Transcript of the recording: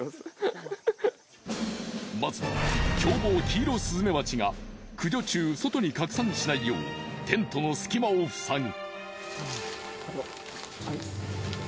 まずは凶暴キイロスズメバチが駆除中外に拡散しないようテントの隙間を塞ぐ。